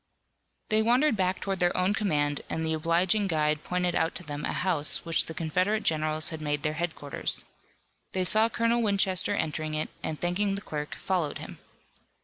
They wandered back toward their own command and the obliging guide pointed out to them a house which the Confederate generals had made their headquarters. They saw Colonel Winchester entering it, and thanking the clerk, followed him.